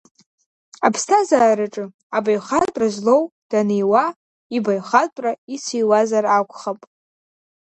Аԥсҭазаараҿы абаҩхатәра злоу даниуа ибаҩхатәра ициуазар акәхап.